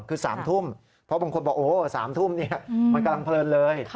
คือ๓ทุ่มเพราะบางคนบอก๓ทุ่มมันกำลังเพลินเลย